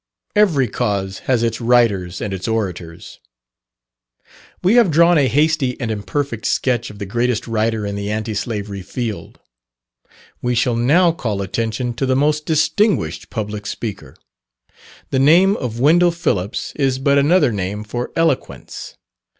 Every cause has its writers and its orators. We have drawn a hasty and imperfect sketch of the greatest writer in the Anti Slavery field: we shall now call attention to the most distinguished public speaker. The name of Wendell Phillips is but another name for eloquence.